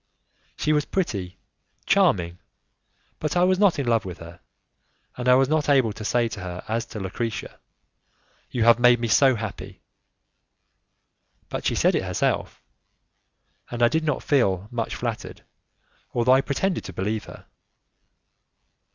She was pretty, charming, but I was not in love with her, and I was not able to say to her as to Lucrezia: "You have made me so happy!" But she said it herself, and I did not feel much flattered, although I pretended to believe her.